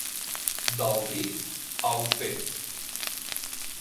Del dit al fet.